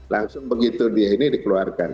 langsung begitu dia ini dikeluarkan